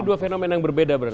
dua fenomena yang berbeda berarti